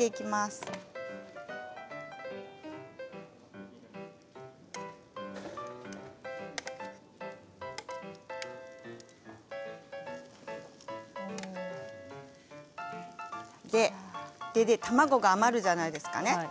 それで卵が余るじゃないですかね。